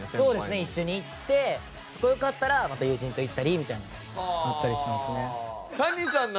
一緒に行ってそこ良かったらまた友人と行ったりみたいなのはあったりしますね。